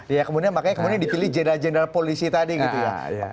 ya kemudian makanya kemudian dipilih jenderal jenderal polisi tadi gitu ya